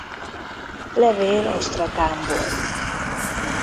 Levél Asztrakánból.